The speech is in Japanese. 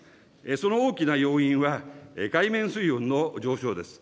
その大きな要因は、海面水温の上昇です。